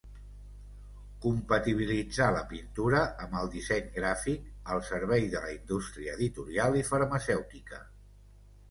Compatibilitzà la pintura amb el disseny gràfic, al servei de la indústria editorial i farmacèutica.